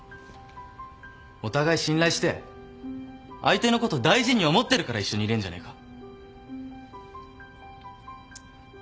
お互い信頼して相手のこと大事に思ってるから一緒にいれんじゃねえか。